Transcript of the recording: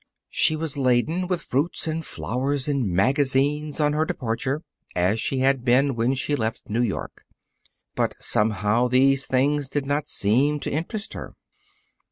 She was laden with fruits and flowers and magazines on her departure, as she had been when she left New York. But, somehow, these things did not seem to interest her.